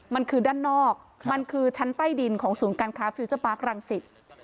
มันคือด้านนอกมันคือชั้นใต้ดินของศูนย์การค้าฟิวเจอร์ปาร์ครังสิต